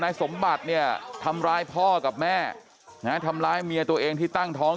สมบัติเนี่ยทำร้ายพ่อกับแม่นะทำร้ายเมียตัวเองที่ตั้งท้อง